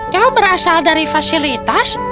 kau berasal dari fasilitas